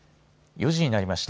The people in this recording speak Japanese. ４時になりました。